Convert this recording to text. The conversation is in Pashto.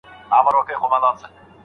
لارښود یوازي د مسویدې خامه بڼه ګوري.